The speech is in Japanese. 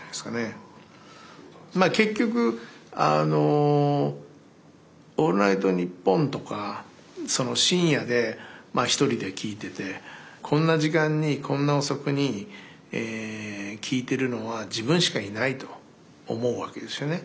結局あの「オールナイトニッポン」とか深夜で１人で聴いててこんな時間にこんな遅くに聴いてるのは自分しかいないと思うわけですよね。